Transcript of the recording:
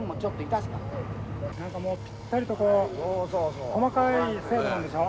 何かもうぴったりと細かい精度なんでしょ。